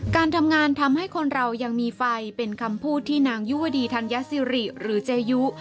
การทำงานทำให้คนเรายังมีไฟเป็นคำพูดที่นางยุวดีธัญสิริหรือเจยุ